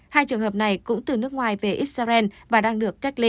hai trường hợp này cũng từ nước ngoài về israel và đang được cách ly